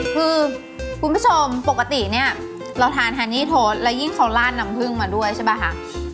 คือคุณผู้ชมปกติเนี่ยเราทานฮันนี่โทษแล้วยิ่งเขาลาดน้ำผึ้งมาด้วยใช่ป่ะคะ